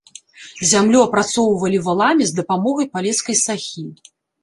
Зямлю апрацоўвалі валамі з дапамогай палескай сахі.